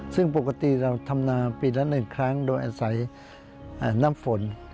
ซึ่งปกติเราทำนาปีละ๑ครั้งโดยอาศัยน้ำฝน